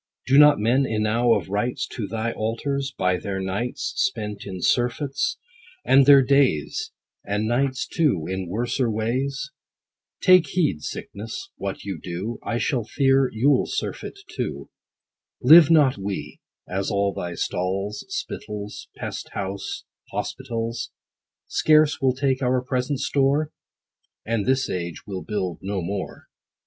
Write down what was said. Do not men enow of rights To thy altars, by their nights Spent in surfeits ; and their days, And nights too, in worser ways ? Take heed, Sickness, what you do, I shall fear you'll surfeit too. Live not we, as all thy stalls, Spittles, pest house, hospitals, Scarce will take our present store ? And this age will build no more.